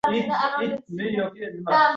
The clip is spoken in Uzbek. Rashk degan narsa odamning ko`zini